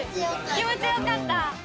気持ちよかった？